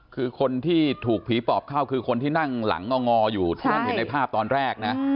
คือคนที่ถูกผีปอบเข้าคือคนที่นั่งหลังงองออยู่ที่ท่านเห็นในภาพตอนแรกนะ